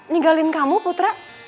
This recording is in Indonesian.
ninggalin kamu putra